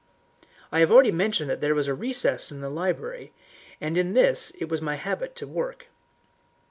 I have already mentioned that there was a recess in the library, and in this it was my habit to work.